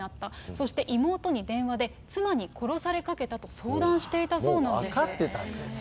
そして、妹に電話で、妻に殺されたかけたと相談していたそうなんでもう分かってたんですよ。